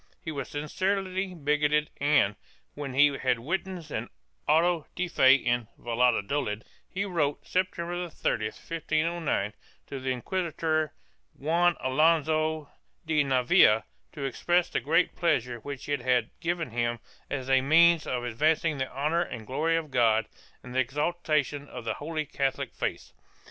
He was sincerely bigoted and, when he had witnessed an auto de fe in Valladolid, he wrote, September 30, 1509, to the inquisitor Juan Alonso de Navia to express the great pleasure which it had given him as a means of advancing the honor and glory of God and the exaltation of the Holy Catholic faith.